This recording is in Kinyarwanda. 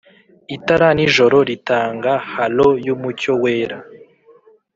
itara-nijoro ritanga halo yumucyo wera.